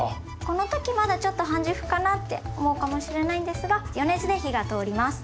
この時まだちょっと半熟かなって思うかもしれないんですが余熱で火が通ります。